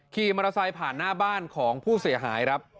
ขี่มอเตอร์ไซค์ผ่านหน้าบ้านของผู้เสียหายครับ